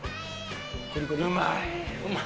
うまい。